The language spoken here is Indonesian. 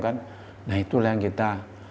nah itulah yang kita